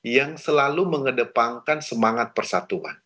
yang selalu mengedepankan semangat persatuan